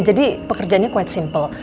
jadi pekerjanya quite simple